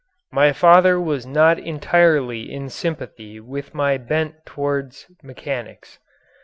My father was not entirely in sympathy with my bent toward mechanics.